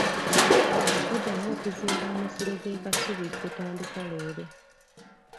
Okuddamu okuzimba amasiro g'e Kasubi kutandika leero.